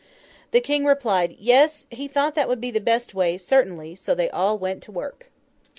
The King replied, Yes, he thought that would be the best way, certainly; so they all went to work.